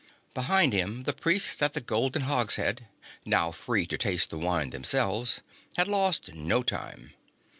Behind him, the Priests at the golden hogshead, now set free to taste the wine themselves, had lost no time.